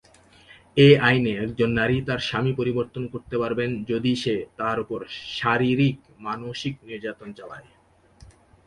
এ আইনে, একজন নারী তার স্বামী পরিবর্তন করতে পারবেন যদি সে তার ওপর শারীরিক-মানসিক নির্যাতন চালায়।